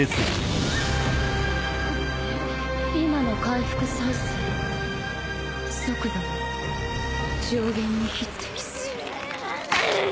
今の回復再生速度は上弦に匹敵するううっ！